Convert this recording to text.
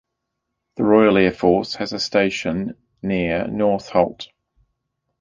The Royal Air Force has a station near Northolt.